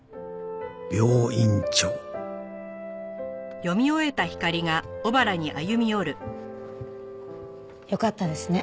病院長」よかったですね